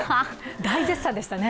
大絶賛でしたね。